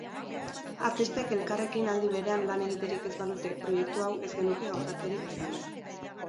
Artistek elkarrekin aldi-berean lan egiterik ez balute, proiektu hau ez genuke gauzatzerik izango.